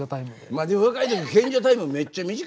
まあでも若い時賢者タイムめっちゃ短いですよね。